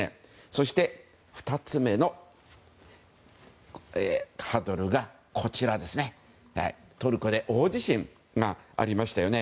そして、２つ目のハードルがトルコで大地震ありましたね。